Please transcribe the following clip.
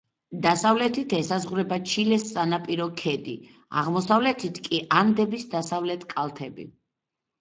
დასავლეთით ესაზღვრება ჩილეს სანაპირო ქედი, აღმოსავლეთით კი ანდების დასავლეთ კალთები.